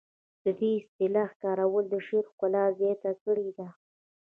د دې اصطلاح کارول د شعر ښکلا زیاته کړې ده